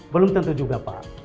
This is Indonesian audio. belum tentu juga pak